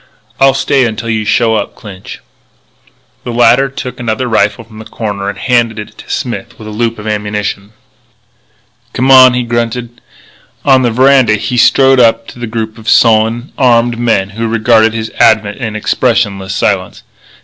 "I'll stay until you show up, Clinch." The latter took another rifle from the corner and handed it to Smith with a loop of ammunition. "Come on," he grunted. On the veranda he strode up to the group of sullen, armed men who regarded his advent in expressionless silence.